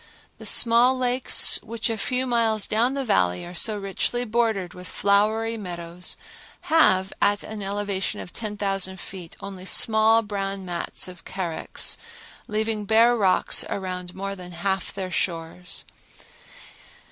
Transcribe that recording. The small lakes which a few miles down the Valley are so richly bordered with flowery meadows have at an elevation of 10,000 feet only small brown mats of carex, leaving bare rocks around more than half their shores.